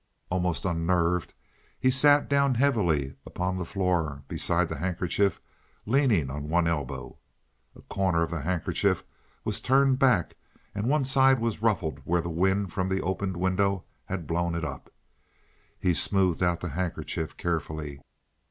Almost unnerved, he sat down heavily upon the floor beside the handkerchief, leaning on one elbow. A corner of the handkerchief was turned back, and one side was ruffled where the wind from the opened window had blown it up. He smoothed out the handkerchief carefully.